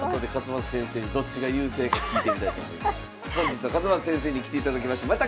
本日は勝又先生に来ていただきました。